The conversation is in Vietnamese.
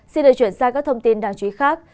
xin được chuyển sang các thông tin đáng chú ý khác